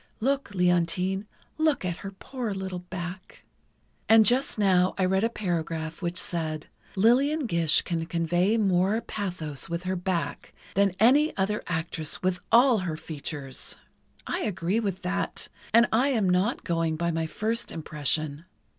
(Look, Leontine, look at her poor little back!) And just now I read a paragraph which said: "Lillian Gish can convey more pathos with her back than any other actress with all her features." I agree with that, and I am not going by my first impression.